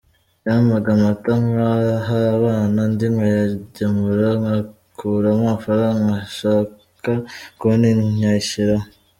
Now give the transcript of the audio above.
Yampaga amata ngaha abana, andi nkayagemura ngakuramo amafaranga nshaka konti nyashyiraho.